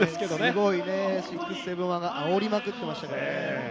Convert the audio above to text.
すごいね、６７１があおりまくっていましたからね。